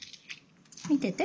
見てて。